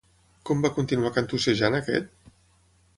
Com va continuar cantussejant aquest?